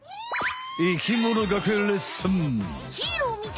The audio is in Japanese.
生きもの学園レッスン。